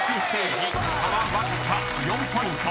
［差はわずか４ポイント。